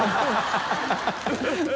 ハハハ